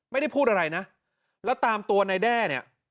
ไม่ได้พูดอะไรนะแล้วตามตัวนายแด้เนี่ย